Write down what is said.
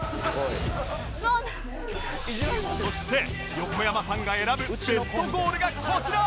そして横山さんが選ぶベストゴールがこちら！